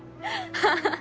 あハハハ。